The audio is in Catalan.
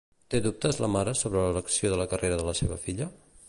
Té dubtes la mare sobre l'elecció de carrera de la seva filla?